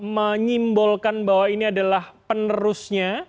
menyimbolkan bahwa ini adalah penerusnya